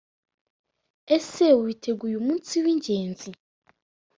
Ese witeguye umunsi w’ingenzi